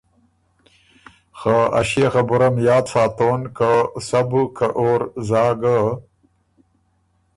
خه ا ݭيې خبُره م یاد ساتون که سَۀ بُو که اور زا ګۀ،